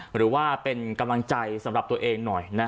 หรือว่าเป็นกำลังใจสำหรับตัวเองหน่อย